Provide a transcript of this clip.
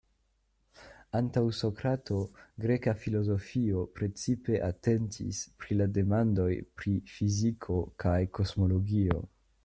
Antaŭ Sokrato, greka filozofio precipe atentis pri la demandoj pri fiziko kaj kosmologio.